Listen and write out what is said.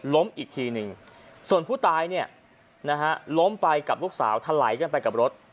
อีกทีหนึ่งส่วนผู้ตายเนี่ยนะฮะล้มไปกับลูกสาวถลายกันไปกับรถ